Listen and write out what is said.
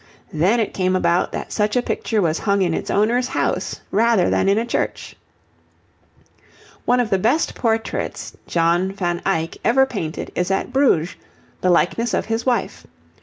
Then it came about that such a picture was hung in its owner's house rather than in a church. One of the best portraits John van Eyck ever painted is at Bruges the likeness of his wife.